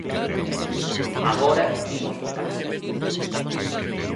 Agora imos votar.